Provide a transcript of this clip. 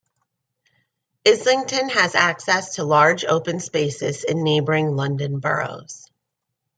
Islington has access to large open spaces in neighbouring London boroughs.